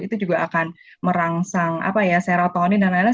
itu juga akan merangsang serotonin dan lain lain